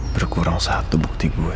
berkurang satu bukti gue